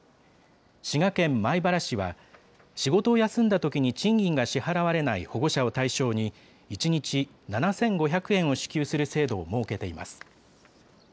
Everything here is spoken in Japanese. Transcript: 滋賀県米原市は、仕事を休んだときに賃金が支払われない保護者を対象に、１日７５００円を支給する制度を設けています。